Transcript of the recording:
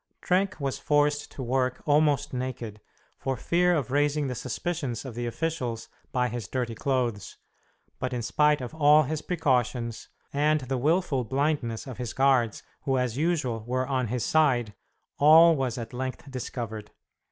Trenck was forced to work almost naked, for fear of raising the suspicions of the officials by his dirty clothes, but in spite of all his precautions and the wilful blindness of his guards, who as usual were on his side, all was at length discovered.